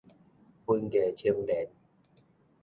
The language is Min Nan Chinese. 文藝青年